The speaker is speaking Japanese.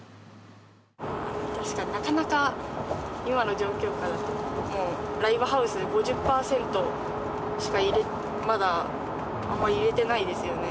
確かになかなか今の状況下だともうライブハウス５０％しかまだあんま入れてないですよね